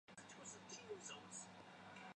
索尔尼。